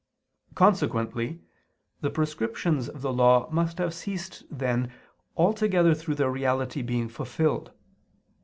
Consequently the prescriptions of the Law must have ceased then altogether through their reality being fulfilled.